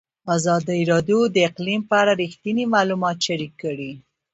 ازادي راډیو د اقلیم په اړه رښتیني معلومات شریک کړي.